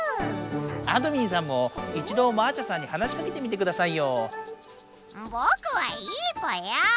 あどミンさんも一度マーシャさんに話しかけてみてくださいよ。ぼくはいいぽよ。